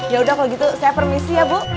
yaudah kalo gitu saya permisi ya bu